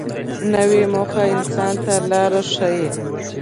نوې موخه انسان ته لار ښیي